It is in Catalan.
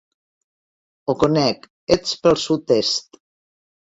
Ho conec, ets pel sud-est.